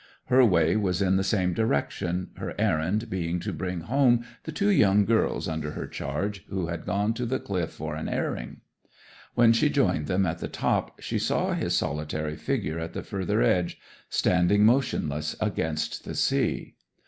Her way was in the same direction, her errand being to bring home the two young girls under her charge, who had gone to the cliff for an airing. When she joined them at the top she saw his solitary figure at the further edge, standing motionless against the sea.